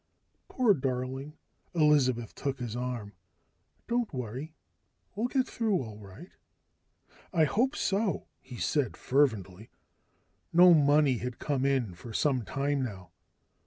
"Poor darling," Elizabeth took his arm. "Don't worry. We'll get through all right." "I hope so," he said fervently. No money had come in for some time now.